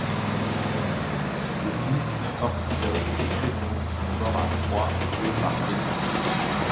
Ses fils Orsiloque et Créthon sont morts à Troie, tués par Énée.